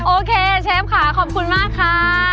โอเคเชฟค่ะขอบคุณมากค่ะ